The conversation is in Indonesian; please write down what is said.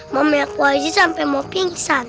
mau melepuh aja sampe mau pingsan